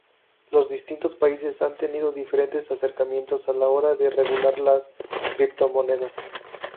Los distintos países han tenido diferentes acercamientos a la hora de regular las criptomonedas.